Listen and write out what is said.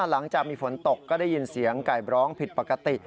หลังจากมีฝนตกก็ได้ยินเสียงไก่บร้องผิดปกติ